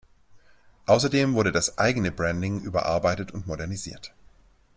Außerdem wurde das eigene Branding überarbeitet und modernisiert.